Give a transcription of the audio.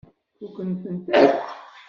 Fukkent-ten akk.